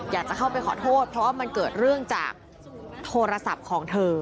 อยากจะเข้าไปขอโทษเพราะว่ามันเกิดเรื่องจากโทรศัพท์ของเธอ